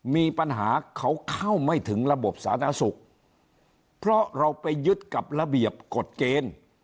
มีปัญหาเขาเข้าไม่ถึงระบบสาธารณสุขเพราะเราไปยึดกับระเบียบกฎเกณฑ์